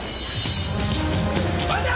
待て！